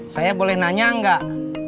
saya boleh nanya enggak